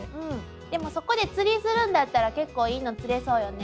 でもそこで釣りするんだったら結構いいの釣れそうよね。